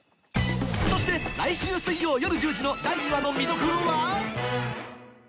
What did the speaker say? そして来週水曜夜１０時の第２話の見どころは？